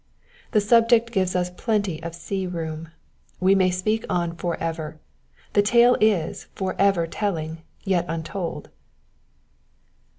The subject gives us plenty of sea room ; we may speak on for ever : the tale is for ever telling, yet untold.